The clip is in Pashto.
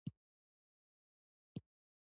د دغې کوڅې درواغجن ضمټ نومېده.